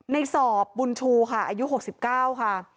ในสอบบุญชูค่ะอายุ๖๙ค่ะ